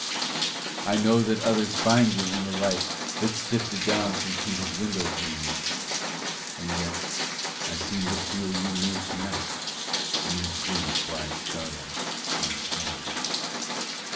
I know that others find You in the light That's sifted down through tinted window panes, And yet I seem to feel You near tonight In this dim, quiet starlight on the plains.